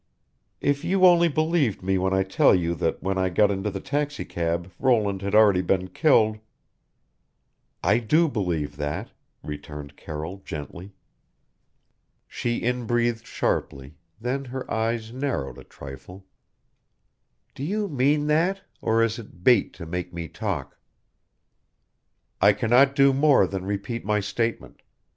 If you only believed me when I tell you that when I got into the taxicab Roland had already been killed " "I do believe that," returned Carroll gently. She inbreathed sharply, then her eyes narrowed a trifle. "Do you mean that or is it bait to make me talk?" "I can not do more than repeat my statement.